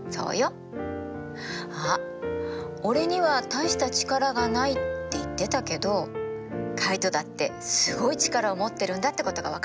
あっ「俺には大した力がない」って言ってたけどカイトだってすごい力を持ってるんだってことが分かったでしょう？